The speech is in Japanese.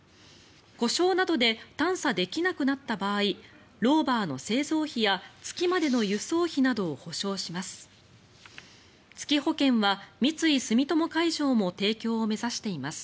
故障などで探査できなくなった場合ローバーの製造費や月までの輸送費などを補償します。